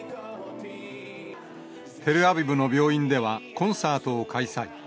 テルアビブの病院では、コンサートを開催。